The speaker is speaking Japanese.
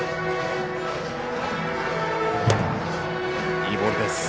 いいボールです。